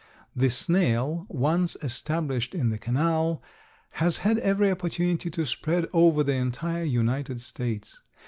The snail, once established in the canal, has had every opportunity to spread over the entire United States.